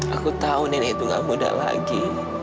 aku tahu nenek itu gak muda lagi